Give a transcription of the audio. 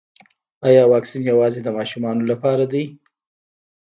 ایا واکسین یوازې د ماشومانو لپاره دی